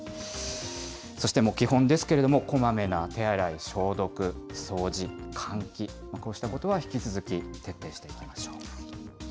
そして基本ですけれども、こまめな手洗い、消毒、掃除、換気、こうしたことは引き続き徹底していきましょう。